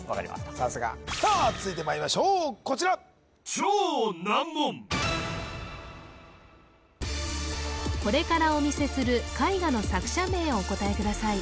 さすがさあ続いてまいりましょうこちらこれからお見せする絵画の作者名をお答えください